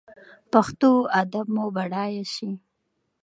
پښتو ادب مو بډایه شي.